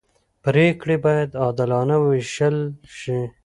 پرېکړې باید عادلانه وېشل شي